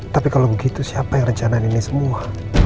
tapi kalau begitu siapa yang rencanain ini semua